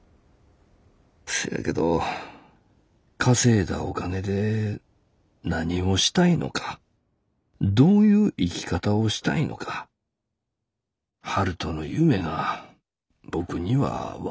「そやけど稼いだお金で何をしたいのかどういう生き方をしたいのか悠人の夢が僕には分かれへん。